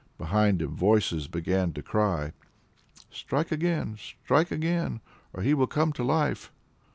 Behind him voices began to cry: "Strike again! strike again! or he will come to life!"